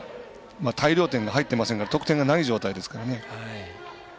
大量点が入ってませんから得点がない状態ですからね。